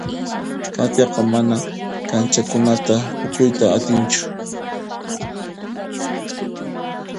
Katiaqa manan k'anchaqkunata phukuyta atinchu.